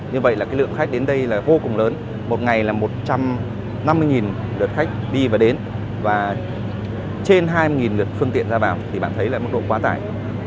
như vậy là cái lượng khách đến đây là vô cùng lớn một ngày là một trăm năm mươi lượt khách đi và đến và trên hai mươi lượt phương tiện ra vào thì bạn thấy là mức độ quá tải